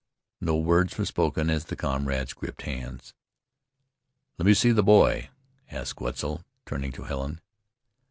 No words were spoken as the comrades gripped hands. "Let me see the boy?" asked Wetzel, turning to Helen.